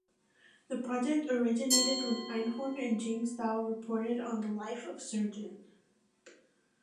The project originated when Einhorn and James Dao reported on the life of Sgt.